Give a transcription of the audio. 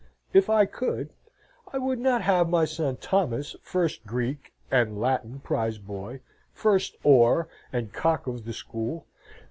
If I could, I would not have my son Thomas first Greek and Latin prize boy, first oar, and cock of the school.